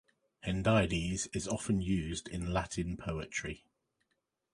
Hendiadys is often used in Latin poetry.